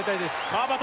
川端